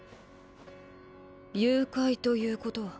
誘拐ということは？